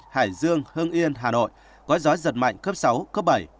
hải dương hưng yên hà nội có gió giật mạnh cấp sáu cấp bảy